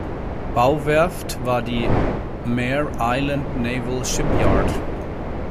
Bauwerft war die Mare Island Naval Shipyard.